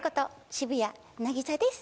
渋谷凪咲です